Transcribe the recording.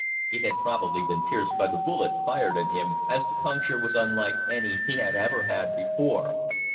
It had probably been pierced by the bullet fired at him, as the puncture was unlike any he had ever had before.